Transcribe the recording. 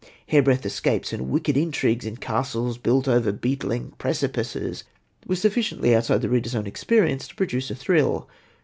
Hairbreadth escapes and wicked intrigues in castles built over beetling precipices were sufficiently outside the reader's own experience to produce a thrill.